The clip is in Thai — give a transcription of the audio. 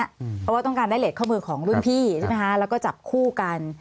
เพราะว่าต้องการได้เล็กเข้ามือของรุ่นพี่แล้วก็จับคู่กัน